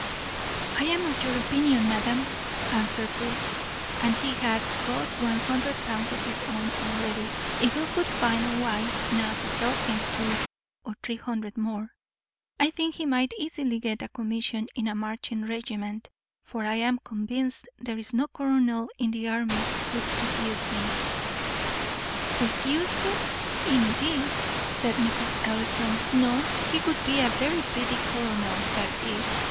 "I am of your opinion, madam," answered Booth; "and he hath got one hundred pounds of his own already, if he could find a wife now to help him to two or three hundred more, I think he might easily get a commission in a marching regiment; for I am convinced there is no colonel in the army would refuse him." "Refuse him, indeed!" said Mrs. Ellison; "no; he would be a very pretty colonel that did.